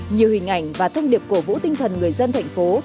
nhiều hình ảnh và thông điệp cổ vũ tinh thần người dân thành phố